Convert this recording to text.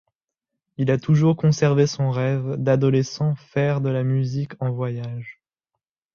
Il a toujours conservé son rêve d'adolescent faire de la musique en voyage.